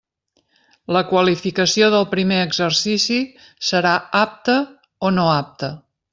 La qualificació del primer exercici serà «apta» o «no apta».